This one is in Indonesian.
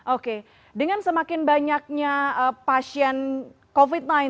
oke dengan semakin banyaknya pasien covid sembilan belas